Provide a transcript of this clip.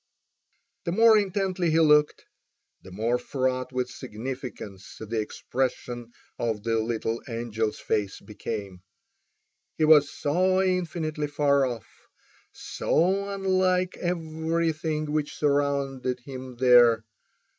The more intently he looked the more fraught with significance the expression of the little angel's face became. He was so infinitely far off, so unlike everything which surrounded him there.